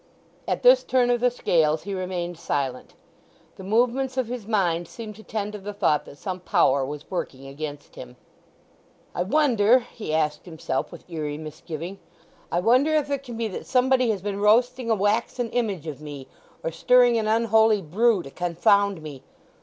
At this turn of the scales he remained silent. The movements of his mind seemed to tend to the thought that some power was working against him. "I wonder," he asked himself with eerie misgiving; "I wonder if it can be that somebody has been roasting a waxen image of me, or stirring an unholy brew to confound me!